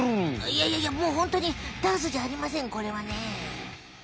いやいやいやもうホントにダンスじゃありませんこれはね。